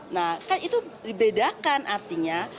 nah kan itu dibedakan artinya